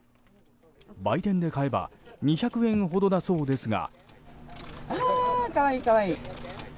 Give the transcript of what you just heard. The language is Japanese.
売店で買えば２００円ほどだそうですが。